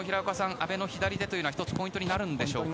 阿部の左手というのは１つ、ポイントになるんでしょうか。